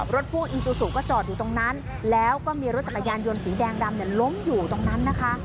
พ่วงอีซูซูก็จอดอยู่ตรงนั้นแล้วก็มีรถจักรยานยนต์สีแดงดำเนี่ยล้มอยู่ตรงนั้นนะคะ